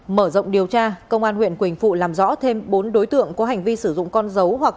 mở rộng điều tra công an huyện quỳnh phụ làm rõ thêm bốn đối tượng có hành vi sử dụng con dấu hoặc